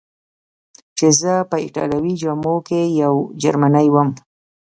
چې زه په ایټالوي جامو کې یو جرمنی ووم.